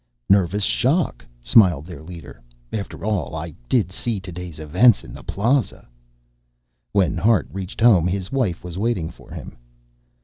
"Nervous shock," smiled their leader. "After all, I did see today's events in the Plaza." When Hart reached home his wife was waiting for him.